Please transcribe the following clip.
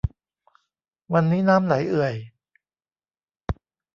วันนี้น้ำไหลเอื่อย